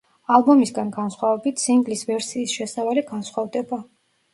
ალბომისგან განსხვავებით, სინგლის ვერსიის შესავალი განსხვავდება.